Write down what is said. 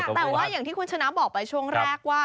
แต่ว่าอย่างที่คุณชนะบอกไปช่วงแรกว่า